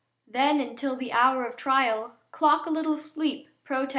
Then, until the hour of trial, Clock a little sleep, pro tem.